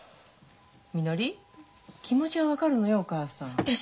みのり気持ちは分かるのよお母さん。でしょ？